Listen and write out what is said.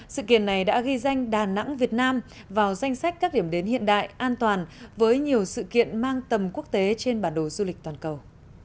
sự kiện này đã ghi danh đà nẵng việt nam vào danh sách các điểm đến hiện đại an toàn với nhiều sự kiện mang tầm quốc tế trên bản đồ du lịch toàn cầu